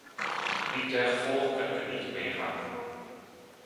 Dientengevolge kan ik er niet op ingaan.